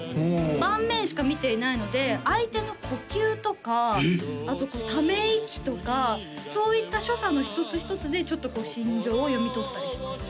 盤面しか見ていないので相手の呼吸とかあとため息とかそういった所作の一つ一つで心情を読み取ったりしますね